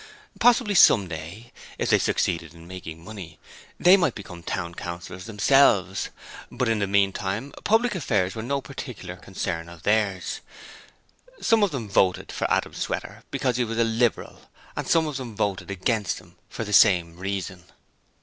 Possibly, some day, if they succeeded in making money, they might become town councillors themselves! but in the meantime public affairs were no particular concern of theirs. So some of them voted for Adam Sweater because he was a Liberal and some of them voted against him for the same 'reason'.